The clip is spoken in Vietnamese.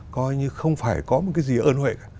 coi như không phải có một cái gì ơn huệ